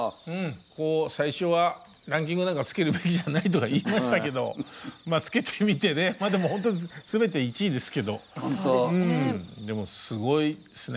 こう最初はランキングなんかつけるべきじゃないとか言いましたけどまあつけてみてねでもほんと全て１位ですけどでもすごいっすね。